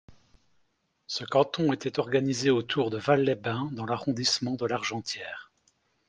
Ce canton était organisé autour de Vals-les-Bains dans l'arrondissement de Largentière.